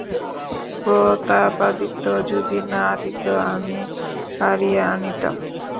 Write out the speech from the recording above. প্রতাপাদিত্য যদি না দিত, আমি কাড়িয়া আনিতাম।